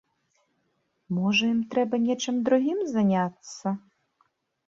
Можа, ім трэба нечым другім заняцца.